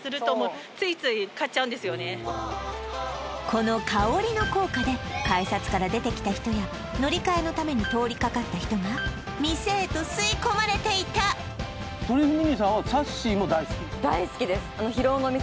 この香りの効果で改札から出てきた人や乗り換えのために通りかかった人が店へと吸い込まれていたトリュフミニさんは並んで買うんだ